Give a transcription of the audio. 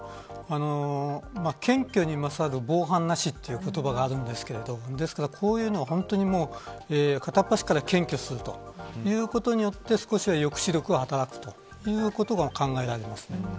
検挙に勝る防犯なしという言葉があるんですけどこういうのは本当に片っ端から検挙するということによって少しは抑止力が働くことが考えられます。